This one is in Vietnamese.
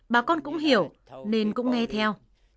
bà con cũng hiểu nên cũng nghe theo